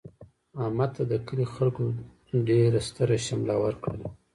احمد ته د کلي خلکو د ډېر ستره شمله ورکړله.